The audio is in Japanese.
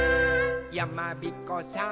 「やまびこさーん」